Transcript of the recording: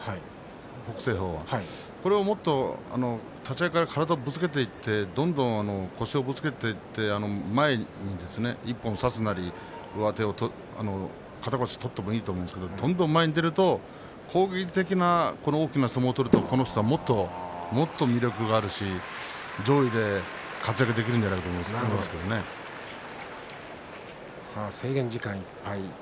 北青鵬はこれをもっと立ち合いから体をぶつけていってどんどん腰をぶつけていって前にですね一本差すなり上手を肩越しに取ってもいいと思うんですがどんどん前に出る攻撃的な大きな相撲を取るとこの人はもっと魅力があるし上位で活躍できるんじゃないか制限時間いっぱいです。